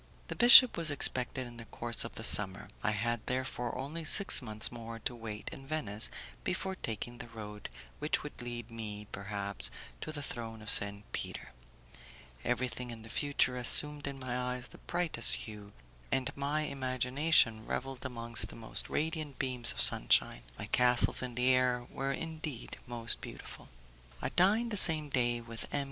The bishop was expected in the course of the summer; I had, therefore, only six months more to wait in Venice before taking the road which would lead me, perhaps, to the throne of Saint Peter: everything in the future assumed in my eyes the brightest hue, and my imagination revelled amongst the most radiant beams of sunshine; my castles in the air were indeed most beautiful. I dined the same day with M.